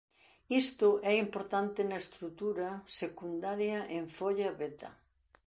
Isto é importante na estrutura secundaria en folla beta.